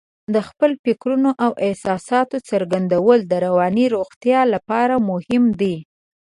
د خپلو فکرونو او احساساتو څرګندول د رواني روغتیا لپاره مهم دي.